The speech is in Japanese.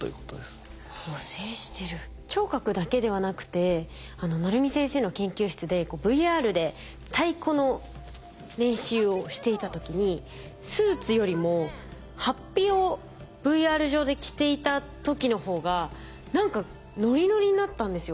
聴覚だけではなくて鳴海先生の研究室でＶＲで太鼓の練習をしていた時にスーツよりもはっぴをＶＲ上で着ていた時の方が何かノリノリになったんですよ。